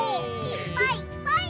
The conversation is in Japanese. いっぱいいっぱい！